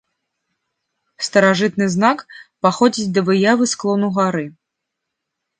Старажытны знак паходзіць ад выявы склону гары.